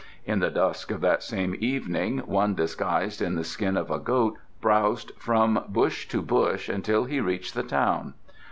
In the dusk of that same evening one disguised in the skin of a goat browsed from bush to bush until he reached the town.